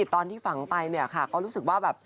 ตอนที่ฝังไปเนี่ยค่ะเขารู้สึกว่าแบบ